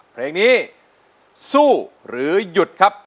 เพลงนี้สู้หรือหยุดครับ